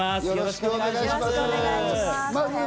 よろしくお願いします。